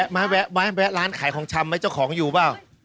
แวะร้านขายของชำไหมเจ้าของอยู่เปล่า